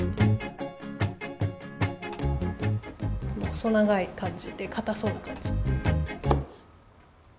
細長いかんじでかたそうなかんじ。